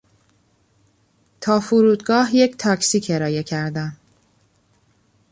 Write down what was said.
تا فرودگاه یک تاکسی کرایه کردم.